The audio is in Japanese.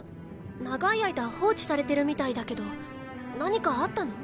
長い間放置されてるみたいだけど何かあったの？